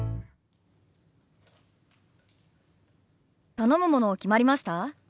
頼むもの決まりました？